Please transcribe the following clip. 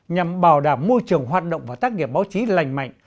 nhằm bảo đảm môi trường hoạt động và tác nghiệp báo chí lành mạnh